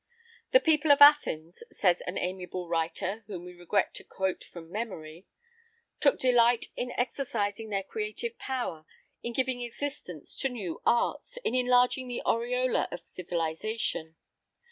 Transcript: "The people of Athens," says an amiable writer, whom we regret to quote from memory, "took delight in exercising their creative power, in giving existence to new arts, in enlarging the aureola of civilisation.